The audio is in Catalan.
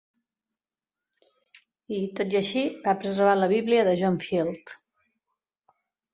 I, tot i així, va preservar la bíblia de John Field.